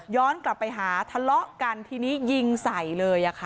ย้อนกลับไปหาทะเลาะกันทีนี้ยิงใสเลยค่ะ